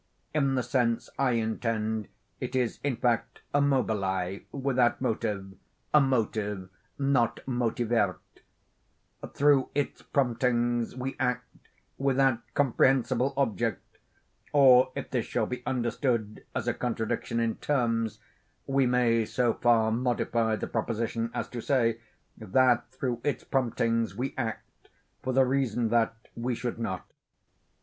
In the sense I intend, it is, in fact, a mobile without motive, a motive not motivirt. Through its promptings we act without comprehensible object; or, if this shall be understood as a contradiction in terms, we may so far modify the proposition as to say, that through its promptings we act, for the reason that we should not.